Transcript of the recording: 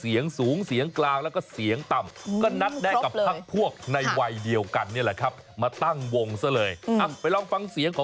หมู่๕ก็เรียกกันไม่เป็นเรียกกันเป็นที่หมู่๓เนี่ย